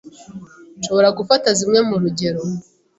Nshobora gufata zimwe murugero?